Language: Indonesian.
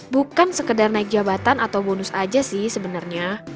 bukan sekedar naik jabatan atau bonus aja sih sebenarnya